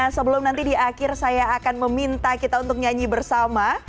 sebelum nanti di akhir saya akan meminta kita untuk nyanyi bersama